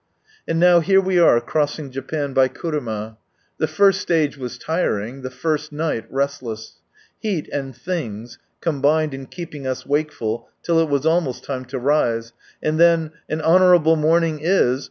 And now here we are crossing Japan by kuruma. The first stage was tiring, the first night restless. Heat and " things " combined in keeping us wakeful till it was almost titne to rise, and then an " Honourable morning is